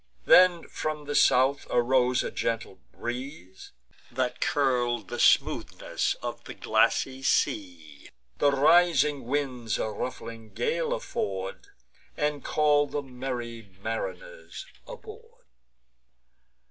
Then from the south arose a gentle breeze That curl'd the smoothness of the glassy seas; The rising winds a ruffling gale afford, And call the merry mariners aboard.